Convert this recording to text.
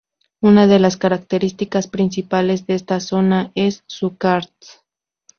Una de las características principales de esta zona es su karst.